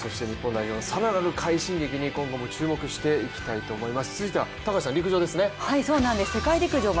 石川選手、そして日本代表の更なる快進撃に今後も注目していきたいと思います。